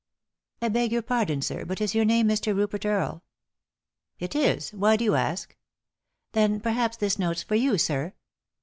"I beg your pardon, air, but is your name Mr. Rupert Earle ?"" It is ; why do you ask ?"" Then perhaps this note's for you, sir."